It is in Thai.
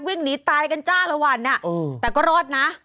วิ่งหนีตายกันจ้าละวันแต่ก็รอดนะ